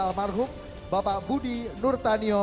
almarhum bapak budi nur tanyo